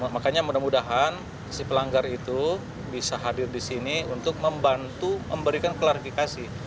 makanya mudah mudahan si pelanggar itu bisa hadir di sini untuk membantu memberikan klarifikasi